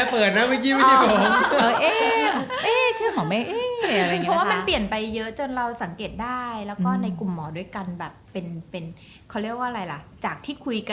เพราะว่ามันปีนไปเยอะจนเราสังเกตได้แล้วก็ในกลุ่มหมอด้วยกันแบบเป็นเป็นเขาเรียกว่าอะไรล่ะ